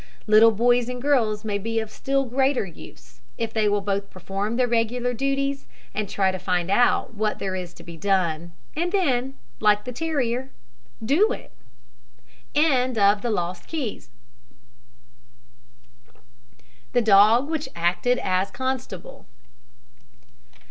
Little boys and girls may be of still greater use, if they will both perform their regular duties, and try to find out what there is to be done, and then, like the terrier, do it. THE DOG WHICH ACTED AS CONSTABLE.